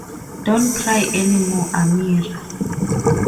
Don’t cry any more, Amira.